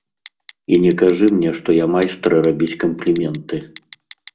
І не кажы мне, што я майстра рабіць кампліменты.